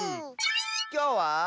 きょうは。